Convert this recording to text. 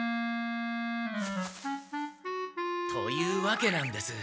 というわけなんです。